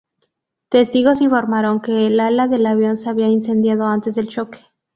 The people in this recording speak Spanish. Testigos informaron que el ala del avión se había incendiado antes del choque.